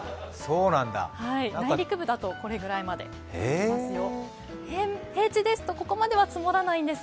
内陸部だと、これぐらいまで積もります。